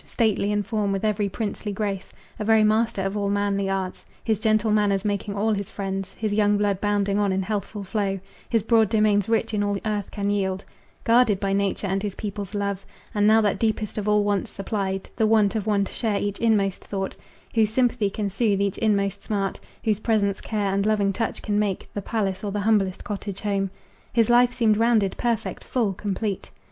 Stately in form, with every princely grace, A very master of all manly arts, His gentle manners making all his friends, His young blood bounding on in healthful flow, His broad domains rich in all earth can yield, Guarded by nature and his people's love, And now that deepest of all wants supplied, The want of one to share each inmost thought, Whose sympathy can soothe each inmost smart, Whose presence, care and loving touch can make The palace or the humblest cottage home, His life seemed rounded, perfect, full, complete.